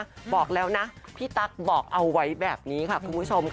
บอกแล้วนะพี่ตั๊กบอกเอาไว้แบบนี้ค่ะคุณผู้ชมค่ะ